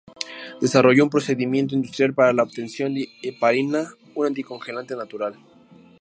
Desarrolló un procedimiento industrial para la obtención de heparina, un anticoagulante natural.